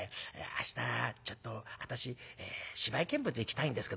『明日ちょっと私芝居見物行きたいんですけど』。